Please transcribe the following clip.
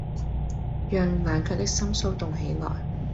讓冷卻的心騷動起來